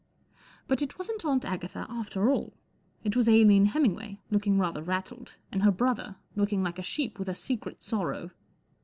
But it wasn't Aunt Agatha after all. It wac Aline Hemmingway, looking rather rattled, and her brother, looking like a sheep with a secret sorrow.